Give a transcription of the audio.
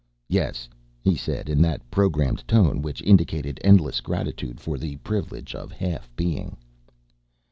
"Yes," he said in that programmed tone which indicated endless gratitude for the privilege of half being.